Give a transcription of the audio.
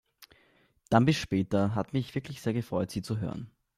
Dann bis später. Hat mich wirklich sehr gefreut Sie zu hören!